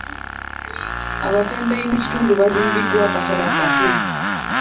Abatembeeyi mu kitundu baazimbiddwa akatale akapya.